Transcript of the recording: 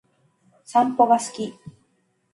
散歩が好き